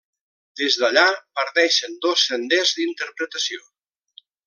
Des d'allà, parteixen dos senders d'interpretació.